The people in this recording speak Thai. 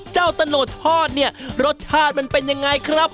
เจ้าตะโนดทอดนี่รสชาติมันเป็นอย่างไรครับ